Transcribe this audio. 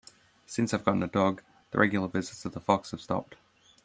Since I've gotten a dog, the regular visits of the fox have stopped.